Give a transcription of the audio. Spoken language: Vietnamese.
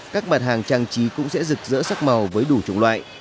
các mặt hàng trang trí cũng sẽ rực rỡ sắc màu với đủ chủng loại